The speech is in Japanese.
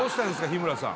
日村さん